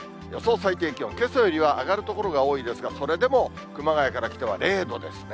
最低気温、けさよりは上がる所が多いですが、それでも熊谷から北は０度ですね。